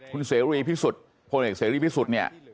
คุณเสรีพิสุทธิ์พลเอกเสรีพิสุทธิ์เนี่ย